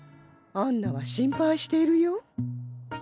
アンナは心配しているよ。